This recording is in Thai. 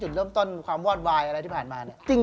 จุดเริ่มต้นความวอดวายอะไรที่ผ่านมาเนี่ย